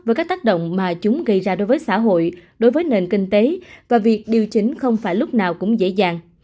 với các tác động mà chúng gây ra đối với xã hội đối với nền kinh tế và việc điều chỉnh không phải lúc nào cũng dễ dàng